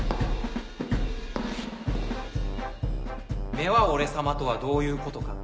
「目はオレ様」とはどういうことか。